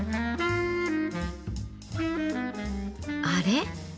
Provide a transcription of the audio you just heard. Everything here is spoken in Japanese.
あれ？